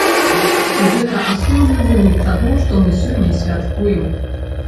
І гэта асноўны вынік таго, што мы сёння святкуем.